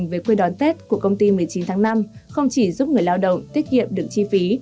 về quê đón tết của công ty một mươi chín tháng năm không chỉ giúp người lao động tiết kiệm được chi phí